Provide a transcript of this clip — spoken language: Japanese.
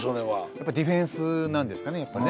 やっぱディフェンスなんですかねやっぱね。